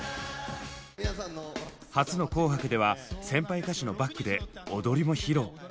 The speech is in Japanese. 初の「紅白」では先輩歌手のバックで踊りも披露。